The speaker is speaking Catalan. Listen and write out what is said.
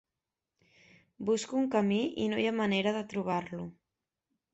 Busco un camí i no hi ha manera de trobar-lo.